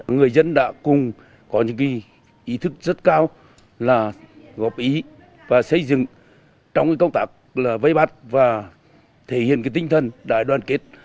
người dân đã cùng có những ý thức rất cao là góp ý và xây dựng trong công tác vây bắt và thể hiện tinh thần đại đoàn kết